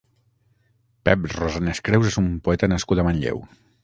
Pep Rosanes-Creus és un poeta nascut a Manlleu.